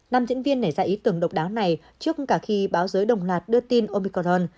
nam diễn viên nảy ra ý tưởng độc đáo này trước cả khi báo giới đồng loạt đưa tin omicorn